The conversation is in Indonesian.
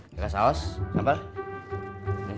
kakak saus campur